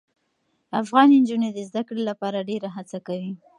افغان نجونې د زده کړې لپاره ډېره هڅه کوي.